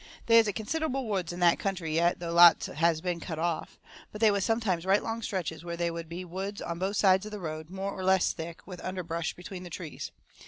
They is considerable woods in that country yet, though lots has been cut off. But they was sometimes right long stretches where they would be woods on both sides of the road, more or less thick, with underbrush between the trees.